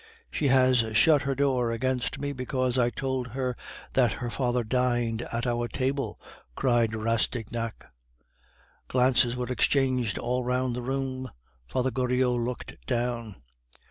"She has shut her door against me because I told her that her father dined at our table," cried Rastignac. Glances were exchanged all round the room; Father Goriot looked down.